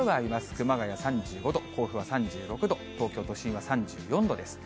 熊谷３５度、甲府は３６度、東京都心は３４度です。